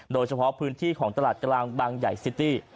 โดยเฉพาะพื้นที่ของตลาดกลางบางใหญ่ซิตี้